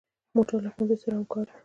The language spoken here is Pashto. موټر له ښوونځي سره همکار دی.